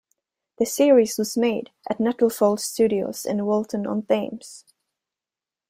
The series was made at Nettlefold Studios in Walton-on-Thames.